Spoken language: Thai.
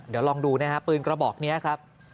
เดี๋ยวลองดูนะฮะปืนกระบอกนี้ครับ